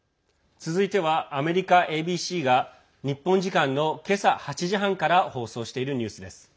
続いては、アメリカＡＢＣが日本時間の今朝８時半から放送しているニュースです。